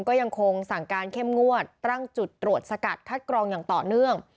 ก็ยังคงสั่งการเข้มงวดตั้งจุดตรวจสกัดคัดกรองอย่างต่อเนื่อง